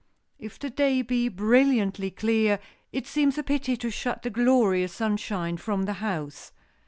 If the day be brilliantly clear, it seems a pity to shut the glorious sunshine from the house.